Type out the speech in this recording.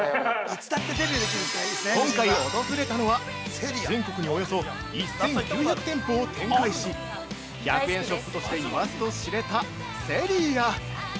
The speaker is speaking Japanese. ◆今回、訪れたのは全国におよそ１９００店舗を展開し、１００円ショップとして言わずと知れたセリア。